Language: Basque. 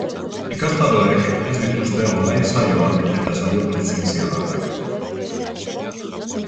Ikastaroek ez dituzte online saioak eta saio presentzialak.